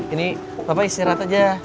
ini bapak istirahat aja